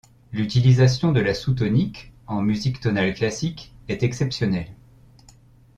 L'utilisation de la sous-tonique en musique tonale classique, est exceptionnelle.